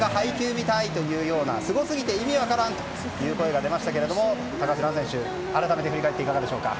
みたいなすごすぎて意味分からんという声が出ましたけども高橋藍選手改めて振り返っていかがでしょうか。